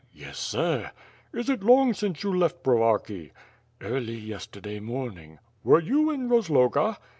'' "Yes, sir/' "Is it long since you left Brovarki?" "Early yesterday morning." "Were you in Rozloga?"